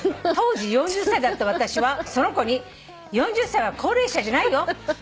「当時４０歳だった私はその子に４０歳は高齢者じゃないよ。